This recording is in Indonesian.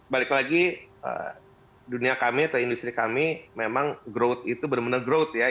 balik lagi dunia kami atau industri kami memang growth itu benar benar growth ya